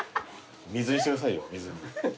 水にしてくださいよ水に。